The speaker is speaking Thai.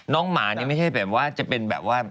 หมานี่ไม่ใช่แบบว่าจะเป็นแบบว่า